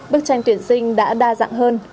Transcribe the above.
bức tranh tuyển sinh đã đa dạng hơn